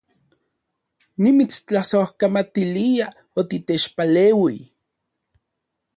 Nimitstlasojkamatilia otitechpaleui